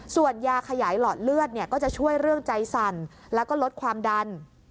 ส่วนยาขยายหลอดเลือดเนี่ยก็จะช่วยเรื่องใจสั่นแล้วก็ลดความดัน